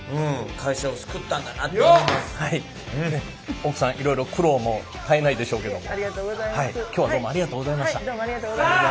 奥さんいろいろ苦労も絶えないでしょうけども今日はどうもありがとうございました。